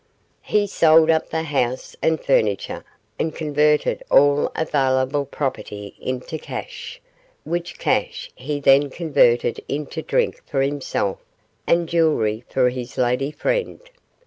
He sold up the house and furniture, and converted all available property into cash, which cash he then converted into drink for himself and jewellery for his lady friend.